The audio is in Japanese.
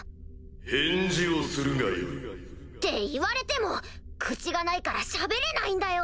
返事をするがよい。って言われても口がないからしゃべれないんだよ！